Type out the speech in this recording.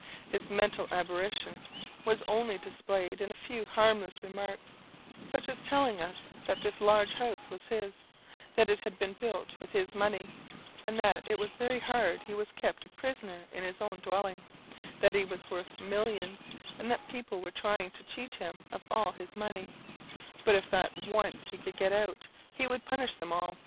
His mental aberration was only displayed in a few harmless remarks, such as telling us that this large house was his, that it had been built with his money, and that it was very hard he was kept a prisoner in his own dwelling; that he was worth millions; and that people were trying to cheat him of all his money, but that if once he could get out, he would punish them all.